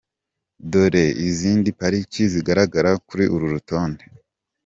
Dore izindi pariki zigaragara kuri uru rutonde.